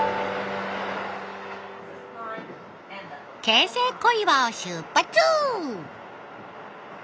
京成小岩を出発。